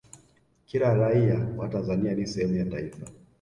kila raia wa tanzania ni sehemu ya taifa